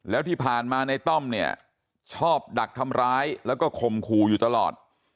แล้วที่ผ่านมาในต้อมเนี่ยชอบดักทำร้ายแล้วก็ข่มขู่อยู่ตลอด